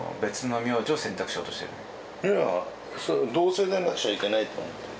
いや同姓じゃなくちゃいけないと思ってる。